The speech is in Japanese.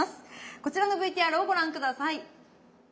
こちらのＶＴＲをご覧下さい。